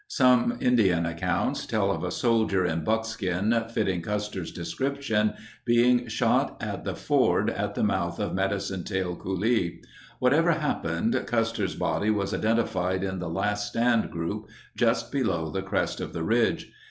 Some Indian accounts tell of a soldier in buckskin fitting Custer's description being shot at the ford at the mouth of Medicine Tail Coulee. Whatever happened, Cus ter's body was identified in the last stand group, just below the crest of the ridge.